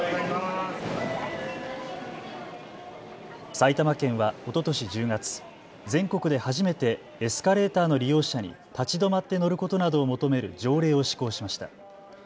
埼玉県はおととし１０月、全国で初めてエスカレーターの利用者に立ち止まって乗ることなどを求める条例を施行しました。